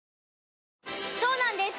そうなんです